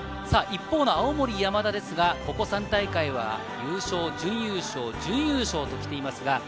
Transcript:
一方の青森山田ですが、ここ３大会は優勝、準優勝、準優勝と来ています。